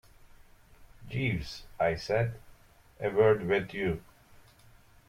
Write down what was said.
"Jeeves," I said, "a word with you."